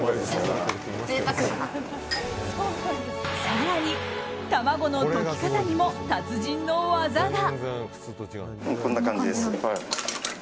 更に、卵の溶き方にも達人の技が。